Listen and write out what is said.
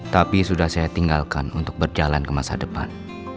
tapi sudah saya tinggalkan untuk berjalan ke masa depan